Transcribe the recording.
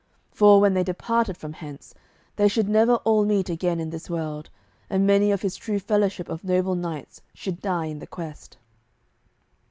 For, when they departed from hence, they should never all meet again in this world, and many of his true fellowship of noble knights should die in the quest.